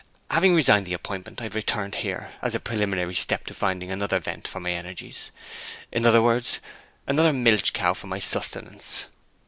Having resigned the appointment I have returned here, as a preliminary step to finding another vent for my energies; in other words, another milch cow for my sustenance.